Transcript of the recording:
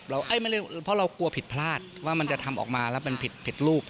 เพราะเรากลัวผิดพลาดว่ามันจะทำออกมาแล้วมันผิดลูก